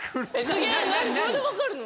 何それで分かるの？